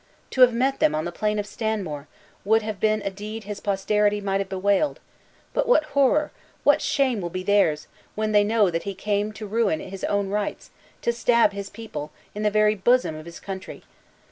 To have met them on the plain of Stanmore, would have been a deed his posterity might have bewailed; but what horror, what shame will be theirs, when they know that he came to ruin his own rights, to stab his people, in the very bosom of his country!